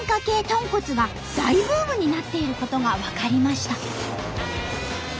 豚骨が大ブームになっていることが分かりました。